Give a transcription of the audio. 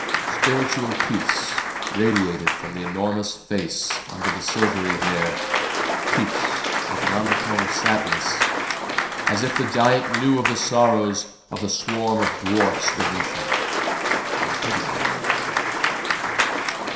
Spiritual peace radiated from the enormous face under the silvery hair, peace with an undertone of sadness, as if the giant knew of the sorrows of the swarm of dwarfs beneath him, and pitied them.